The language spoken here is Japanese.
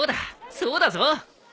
そうだぞ。